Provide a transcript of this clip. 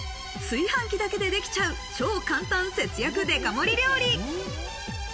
炊飯器だけでできちゃう超簡単節約デカ盛り料理。